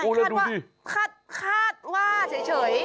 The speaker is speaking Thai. โอ้แล้วดูดิ